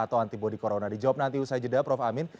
atau antibody corona dijawab nanti usai jeda prof amin